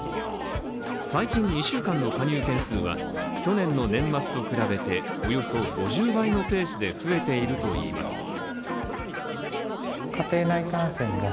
最近２週間の加入件数は去年の年末と比べておよそ５０倍のペースで増えているといいます。